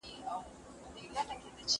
زه به د کور کارونه کړي وي!؟